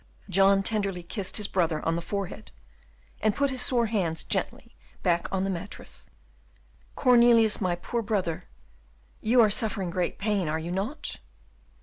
John tenderly kissed his brother on the forehead, and put his sore hands gently back on the mattress. "Cornelius, my poor brother, you are suffering great pain, are you not?"